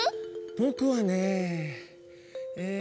ぼくはねえっと。